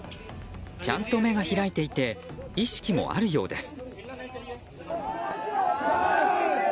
ちゃんと目が開いていて意識もあるようです。